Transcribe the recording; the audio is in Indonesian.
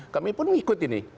kami pun ikut ini